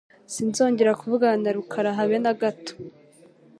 Sinzongera kuvugana na Rukara habe nagato.